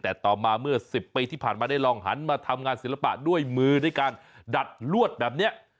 แต่ต่อมาเมื่อ๑๐ปีที่ผ่านมาได้ลองหันมาทำงานศิลปะด้วยมือด้วยการดัดลวดแบบนี้